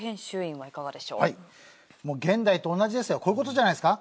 はい現代と同じですよこういうことじゃないですか？